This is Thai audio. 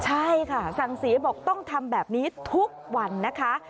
ใช่ค่ะสั่งเสียบอกต้องทำแบบนี้ทุกวันนะคะ